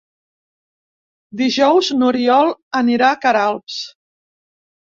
Dijous n'Oriol anirà a Queralbs.